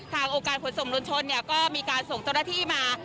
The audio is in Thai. องค์การขนส่งมวลชนก็มีการส่งเจ้าหน้าที่มา